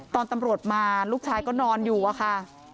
ตอนตำรวจมาลูกชายก็นอนอยู่อะค่ะ